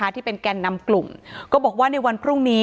ที่เป็นแก่นนำกลุ่มก็บอกว่าในวันพรุ่งนี้